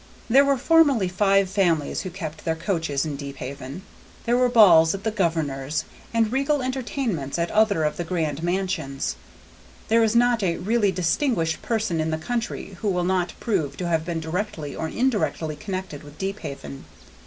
There were formerly five families who kept their coaches in Deephaven; there were balls at the governor's, and regal entertainments at other of the grand mansions; there is not a really distinguished person in the country who will not prove to have been directly or indirectly connected with Deephaven.